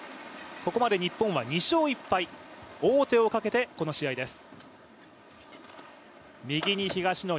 ここまで日本は２勝１敗王手をかけてこの試合です。